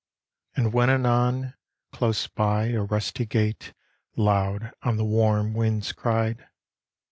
And when anon, close by, a rusty gate Loud on the warm winds cried.